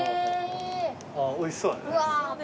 おいしそうだね。